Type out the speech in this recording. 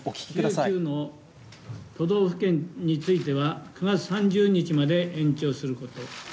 １９の都道府県については、９月３０日まで延長すること。